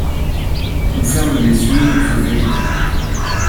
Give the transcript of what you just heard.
On ferme les yeux aux vérités.